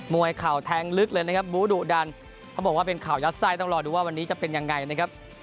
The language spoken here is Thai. วยเข่าแทงลึกเลยนะครับบูดุดันเขาบอกว่าเป็นข่าวยัดไส้ต้องรอดูว่าวันนี้จะเป็นยังไงนะครับ